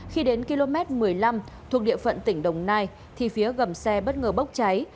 khi đến km một mươi năm thuộc địa phận tỉnh đồng nai thì phía gầm xe bất ngờ bốc cháy